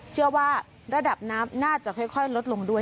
ระดับน้ำน่าจะค่อยลดลงด้วย